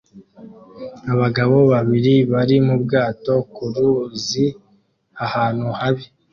Abantu babiri bari mu bwato ku ruzi ahantu habi